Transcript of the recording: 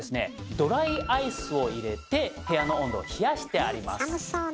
ドライアイスを入れて部屋の温度を冷やしてあります。